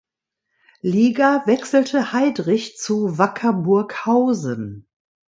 Liga wechselte Heidrich zu Wacker Burghausen.